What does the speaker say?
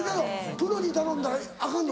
プロに頼んだらアカンの？